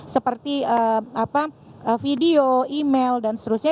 seperti video email dan seterusnya